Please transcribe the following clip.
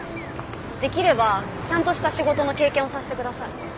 できればちゃんとした仕事の経験をさせてください。